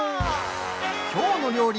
「きょうの料理」